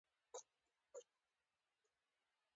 د هر نوع وسلې او وژونکو وسایلو مخنیوی کول.